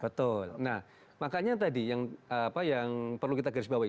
betul nah makanya tadi yang perlu kita garisbawahi